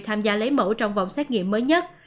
tham gia lấy mẫu trong vòng xét nghiệm mới nhất